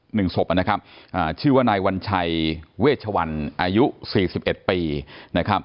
หนึ่งศพนะครับชื่อว่านายวัญชัยเวชวรอายุ๔๑ปี